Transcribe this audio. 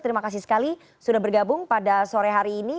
terima kasih sekali sudah bergabung pada sore hari ini